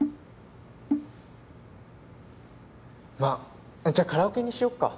まっじゃカラオケにしよっか。